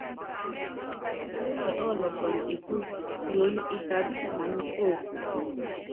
Melúŋe ɔ́lɔpɔnɔ ékúsi siólí ítátɔ́ maná oko.